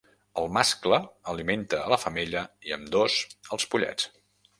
El mascle alimenta a la femella i ambdós als pollets.